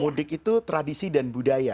mudik itu tradisi dan budaya